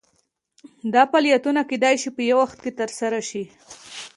دا فعالیتونه کیدای شي په یو وخت ترسره شي.